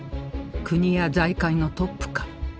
国や財界のトップか？